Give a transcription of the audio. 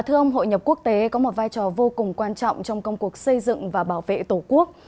thưa ông hội nhập quốc tế có một vai trò vô cùng quan trọng trong công cuộc xây dựng và bảo vệ tổ quốc